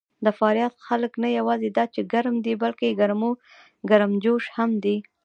د فاریاب خلک نه یواځې دا چې ګرم دي، بلکې ګرمجوش هم دي.